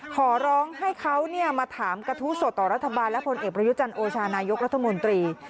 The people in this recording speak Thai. ขอร้องให้เขามาถามกระทู้สดต่อรัฐบาลและผลเอกประยุจันทร์โอชานายกรัฐมนตรี